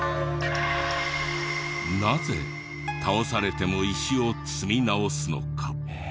なぜ倒されても石を積み直すのか？